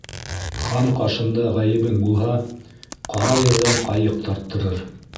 Хан ҡашында ғәйебең булһа, ҡара ерҙән ҡайыҡ тарттырыр.